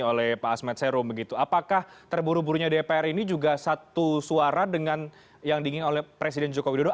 oleh pak azman serum begitu apakah terburu burunya dpr ini juga satu suara dengan yang diinginkan oleh presiden jokowi dodo